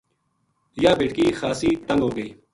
یاہ بیٹکی خاصی تنگ ہوگئی